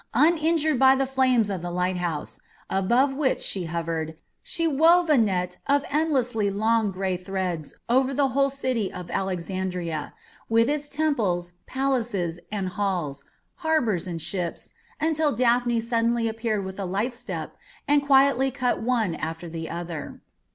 Uninjured by the flames of the lighthouse, above which she hovered, she wove a net of endlessly long gray threads over the whole city of Alexandria, with its temples, palaces, and halls, harbours and ships, until Daphne suddenly appeared with a light step and quietly cut one after the other.